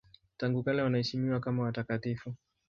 Tangu kale wanaheshimiwa kama watakatifu.